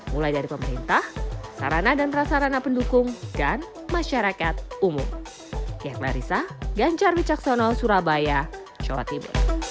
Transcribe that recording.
mulai dari pemerintah sarana dan prasarana pendukung dan masyarakat umum